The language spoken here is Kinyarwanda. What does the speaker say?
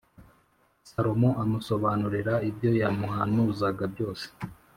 Salomo amusobanurira ibyo yamuhanuzaga byose